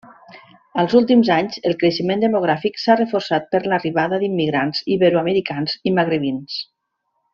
Als últims anys el creixement demogràfic s'ha reforçat per l'arribada d'immigrants iberoamericans i magrebins.